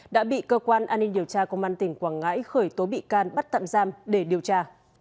đã bị cơ quan an ninh điều tra công an tỉnh quảng ngãi khởi tố bị can bắt tạm giam để điều tra